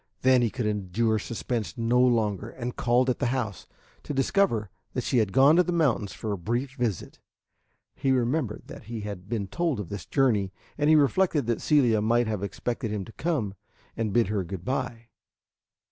Then he could endure suspense no longer and called at the house, to discover that she had gone to the mountains for a brief visit. He remembered that he had been told of this journey, and he reflected that Celia might have expected him to come and bid her good by.